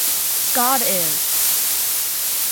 God is.